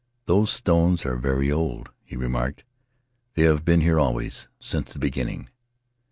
"Those stones are very old," he remarked; "they have been here always, since the beginning.